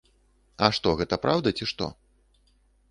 А што, гэта праўда, ці што?